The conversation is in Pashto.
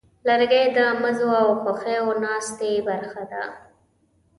لرګی د مزو او خوښیو ناستې برخه ده.